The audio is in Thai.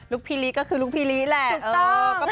ลูกพี่ลิกก็คือลูกพี่ลิแหละ